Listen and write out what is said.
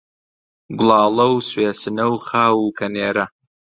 گوڵاڵە و سوێسنە و خاو و کەنێرە